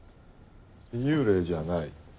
幽霊じゃない？